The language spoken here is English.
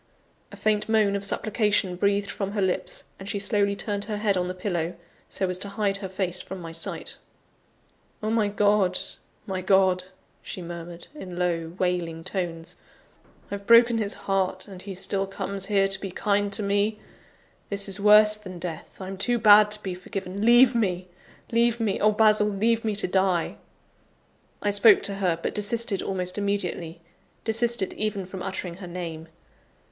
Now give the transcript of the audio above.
A faint moan of supplication breathed from her lips; and she slowly turned her head on the pillow, so as to hide her face from my sight. "Oh, my God! my God!" she murmured, in low, wailing tones, "I've broken his heart, and he still comes here to be kind to me! This is worse than death! I'm too bad to be forgiven leave me! leave me! oh, Basil, leave me to die!" I spoke to her; but desisted almost immediately desisted even from uttering her name.